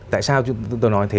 tại sao chúng tôi nói thế